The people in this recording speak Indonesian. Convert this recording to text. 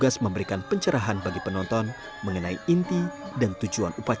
ada banyak cara menambah kekuasaan penonton